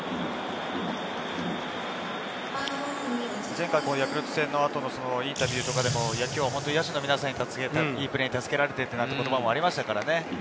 前回のヤクルト戦の後のインタビューでも野手の皆さんに助けられてっていう言葉もありましたからね。